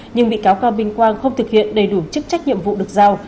nhưng bị cáo cao minh quang không thực hiện đầy đủ chức trách nhiệm vụ được giao